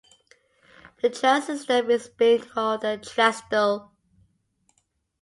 The trail system is being called The Trestle.